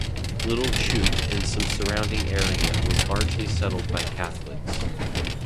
Little Chute and some surrounding area was largely settled by Catholics.